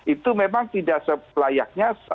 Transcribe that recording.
itu memang tidak sepelayaknya